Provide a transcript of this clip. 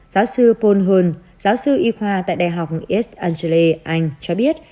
giáo sư paul hul giáo sư y khoa tại đại học east anglia anh cho biết